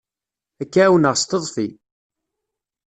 Ad k-ɛawneɣ s teḍfi.